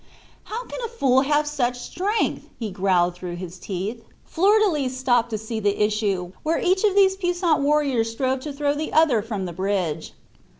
"How can a fool have such strength?" he growled between his teeth. Flordelis stopped to see the issue, where each of these two puissant warriors strove to throw the other from the bridge.